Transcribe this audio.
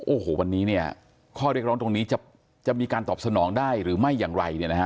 โอ้โหวันนี้เนี่ยข้อเรียกร้องตรงนี้จะมีการตอบสนองได้หรือไม่อย่างไรเนี่ยนะฮะ